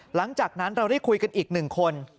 หลังจากนั้นเราได้คุยกันอีก๑คน